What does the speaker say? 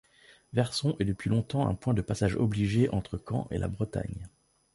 Verson est depuis longtemps un point de passage obligé entre Caen et la Bretagne.